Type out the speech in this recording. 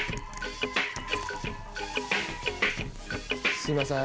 すいません。